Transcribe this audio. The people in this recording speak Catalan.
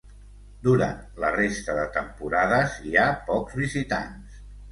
Durant la resta de temporades hi ha pocs visitants.